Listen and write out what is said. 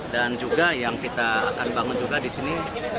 dan juga yang kita akan bangun juga disini